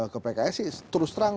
ke pks sih terus terang